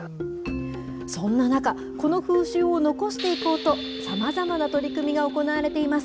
そんな中、この風習を残していこうと、さまざまな取り組みが行われています。